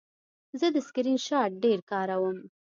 زه د سکرین شاټ ډېر کاروم.